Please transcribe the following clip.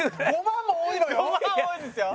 ５万も多いのよ。